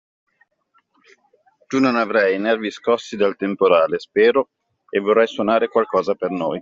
Tu non avrai i nervi scossi dal temporale, spero, e vorrai suonare qualcosa per noi.